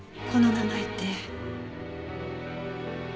この名前って。